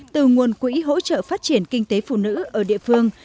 từ nguồn quỹ hỗ trợ phát triển kinh tế phụ nữ ở địa phương